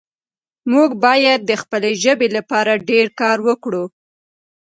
موږ باید د خپلې ژبې لپاره ډېر کار وکړو